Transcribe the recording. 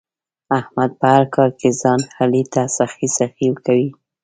احمد په هر کار کې ځان علي ته سخی سخی کوي.